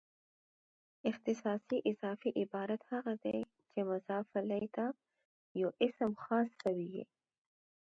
اختصاصي اضافي عبارت هغه دئ، چي مضاف الیه ته یو اسم خاص سوی يي.